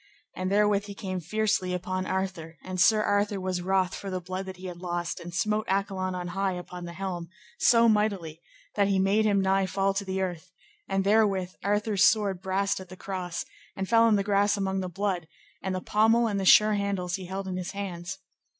And therewith he came fiercely upon Arthur, and Sir Arthur was wroth for the blood that he had lost, and smote Accolon on high upon the helm, so mightily, that he made him nigh to fall to the earth; and therewith Arthur's sword brast at the cross, and fell in the grass among the blood, and the pommel and the sure handles he held in his hands.